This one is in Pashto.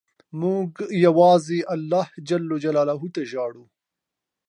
موږ یوازې الله ته وژاړو.